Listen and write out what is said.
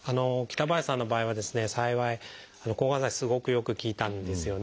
北林さんの場合はですね幸い抗がん剤がすごくよく効いたんですよね。